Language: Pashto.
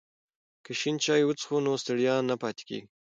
که شین چای وڅښو نو ستړیا نه پاتې کیږي.